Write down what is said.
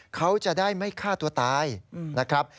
เขาจะได้ไม่ฆ่าตัวตายนะครับ